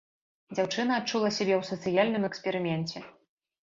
Дзяўчына адчула сябе ў сацыяльным эксперыменце.